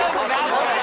これ。